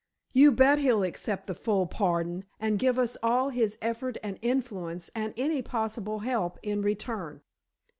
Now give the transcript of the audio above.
You bet he'll accept the full pardon and give all his effort and influence and any possible help in return."